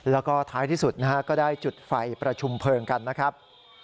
แล้วก็ท้ายที่สุดนะฮะก็ได้จุดไฟประชุมเพลิงกันนะครับ